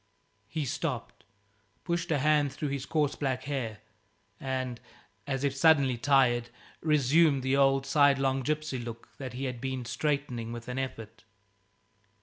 He stopped, pushed a hand through his coarse black hair, and, as if suddenly tired, resumed the old, sidelong gypsy look that he had been straightening with an effort.